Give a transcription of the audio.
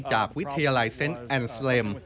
จากวิทยาลัยเซ็นต์แอนด์สเลม